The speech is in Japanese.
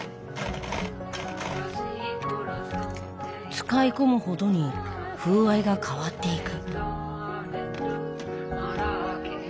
使い込むほどに風合いが変わっていく。